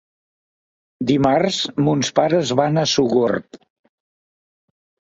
Dimarts mons pares van a Sogorb.